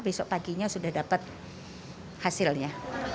besok paginya sudah dapat hasilnya